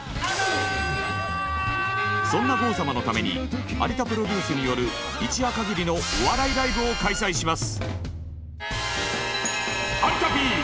そんな郷様のために有田プロデュースによる一夜かぎりのお笑いライブを開催します。